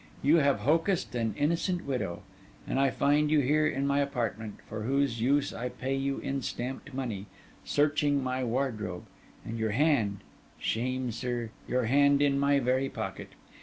You have hocussed an innocent widow; and I find you here in my apartment, for whose use I pay you in stamped money, searching my wardrobe, and your hand—shame, sir!—your hand in my very pocket.